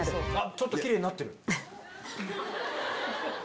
ちょっときれいになってる。